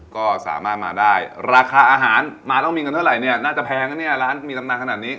ก็สามารถมาได้ราคาอาหารมาต้องมีเงินเท่าไหร่เนี่ยน่าจะแพงนะเนี่ยร้านมีตำนานขนาดนี้